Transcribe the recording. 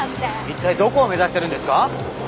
一体どこを目指してるんですか？